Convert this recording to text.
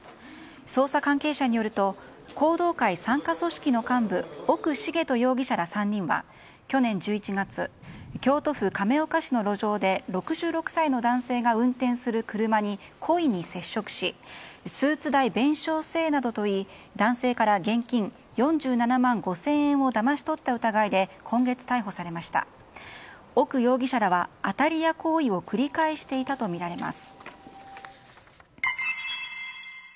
捜査関係者によると弘道会傘下組織の幹部奥茂登容疑者ら３人は去年１１月京都府亀岡市の路上で６６歳の男性が運転する車に故意に接触しスーツ代弁償せえなどと言い男性から現金４７万５０００円をだまし取った疑いでダージリンティーは紅茶のシャンパンと呼ばれています。